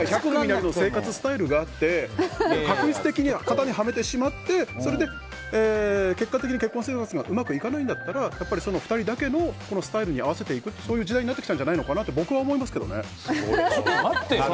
それぞれに生活スタイルがあって画一的に型にはめてしまって結果的に結婚生活がうまくいかないんだったらその２人だけのスタイルに合わせていく時代になってきたんじゃないかなとちょっと待ってよ。